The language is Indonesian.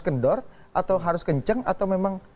kendor atau harus kenceng atau memang